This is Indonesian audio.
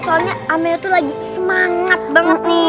soalnya amel tuh lagi semangat banget nih